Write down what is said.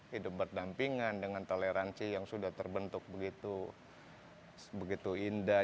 hidup berdampingan dengan toleransi yang sudah terbentuk begitu indah